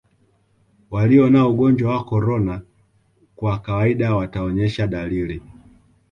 walio na ugonjwa wa korona kwa kawaida wataonyesha dalili